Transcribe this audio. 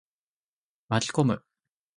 巻き込む。